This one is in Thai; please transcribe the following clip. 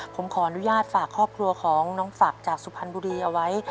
ผมขออนุญาตฝากครอบครัวของน้องฝักจากสุพรรณบุรีเอาไว้